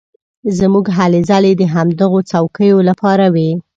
زموږ هلې ځلې د همدغو څوکیو لپاره وې.